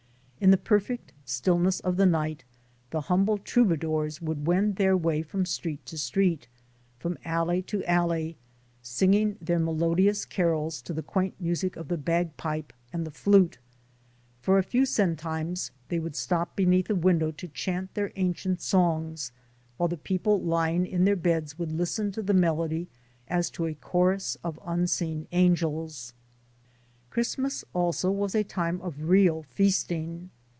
In the perfect stillness of the night the humble trouba dours would wend their way from street to street, from alley to alley, singing their melodious carols to the quaint music of the bagpipe and the flute. For a few centimes they would stop beneath a win dow to chant their ancient songs, while the people lying in their beds would listen to the melody as to a chorus of unseen angels. Christmas also was a time of real feasting.